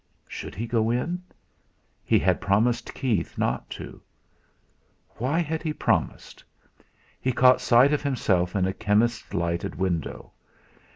Should he go in? He had promised Keith not to. Why had he promised? He caught sight of himself in a chemist's lighted window.